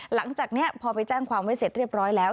หลังจากนี้พอไปแจ้งความไว้เสร็จเรียบร้อยแล้ว